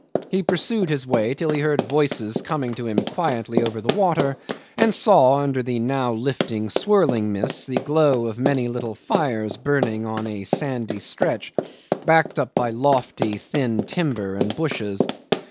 He pursued his way till he heard voices coming to him quietly over the water, and saw, under the now lifting, swirling mist, the glow of many little fires burning on a sandy stretch, backed by lofty thin timber and bushes.